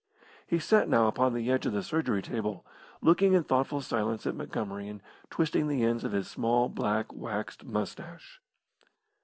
He sat now upon the edge of the surgery table, looking in thoughtful silence at Montgomery and twisting the ends of his small, black, waxed moustache.